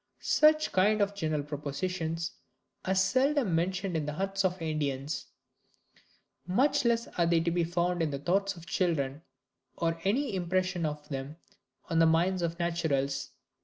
Such kind of general propositions are seldom mentioned in the huts of Indians: much less are they to be found in the thoughts of children, or any impressions of them on the minds of naturals.